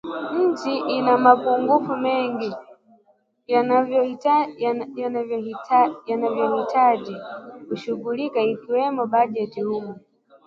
nchini ina mapungufu mengi yanayohitaji kushughuliwa ikiwemo bajeti humo